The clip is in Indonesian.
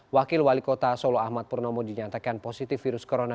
wakil wali kota solo ahmad purnomo dinyatakan positif virus corona